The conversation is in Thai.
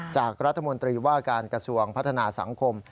จากรัฐมนตรีว่าการกระทรวงพัฒนาสังคม